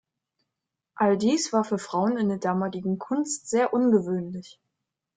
All dies war für Frauen in der damaligen Kunst sehr ungewöhnlich.